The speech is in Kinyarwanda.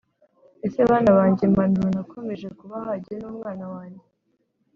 ese bana banjye impanuro nakomeje kubaha jye n’umwana wanjye,